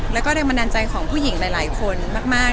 แล้วก็แรงบันดาลใจของผู้หญิงหลายคนมาก